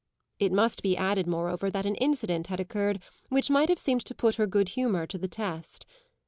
It must be added moreover that an incident had occurred which might have seemed to put her good humour to the test.